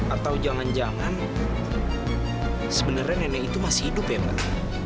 atau jangan jangan sebenarnya nenek itu masih hidup ya mbak